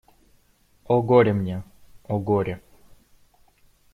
О, горе мне… о, горе!